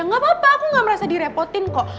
gak apa apa aku gak merasa direpotin kok